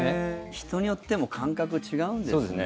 人によっても間隔が違うんですね。